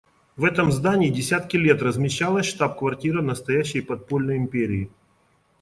В этом здании десятки лет размещалась штаб-квартира настоящей подпольной империи.